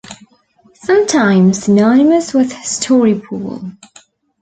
Sometimes synonymous with story pole.